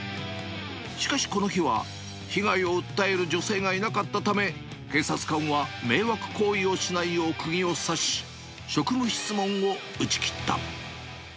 しかしこの日は、被害を訴える女性がいなかったため、警察官は迷惑行為をしないようくぎを刺し、職務質問を打ち切った。